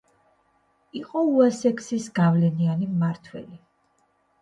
იყო უესექსის გავლენიანი მმართველი.